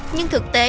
nhưng thực tế